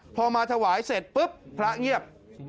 พอมาถวายเสร็จปุ๊บพระเงียบ